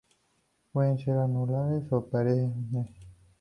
Pueden ser anuales o perennes.